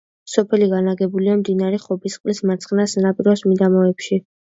სოფელი განლაგებულია მდინარე ხობისწყლის მარცხენა სანაპიროს მიდამოებში.